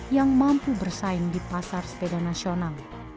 yang mampu bersaing di pasar sepeda nasional